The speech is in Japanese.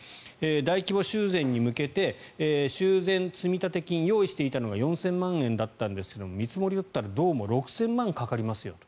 大規模修繕に向けて修繕積立金を用意していたのが４０００万円だったんですが見積もりを取ったらどうも６０００万円かかりますと。